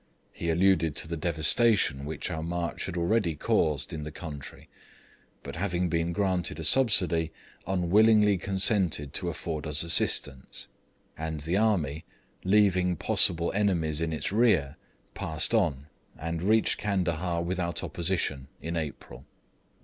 He alluded to the devastation which our march had already caused in the country; but having been granted a subsidy, unwillingly consented to afford us assistance; and the army, leaving possible enemies in its rear, passed on, and reached Candahar without opposition in April.